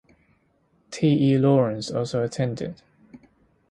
T. E. Lawrence also attended.